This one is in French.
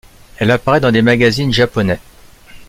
Elle apparaît dans des magazine japonais.